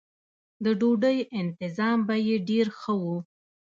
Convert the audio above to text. د ډوډۍ انتظام به یې ډېر ښه و.